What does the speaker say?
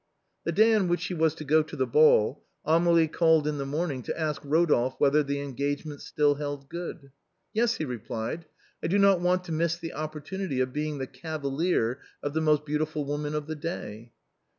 The day on which she was to go to the ball Amélie called in the morning to ask Rodolphe whether the engagement still held good. " Yes," he replied, " I do not want to miss the oppor tunity of being the cavalier of the most beautiful woman of the day."